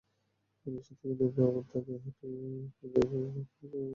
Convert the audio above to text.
রিকশা থেকে নেমে আমার দাদি হেঁটে হাসপাতালের জরুরি বিভাগে গিয়ে বসেন।